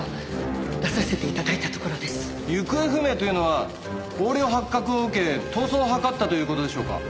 行方不明というのは横領発覚を受け逃走を図ったという事でしょうか？